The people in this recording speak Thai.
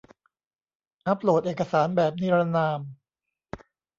อัพโหลดเอกสารแบบนิรนาม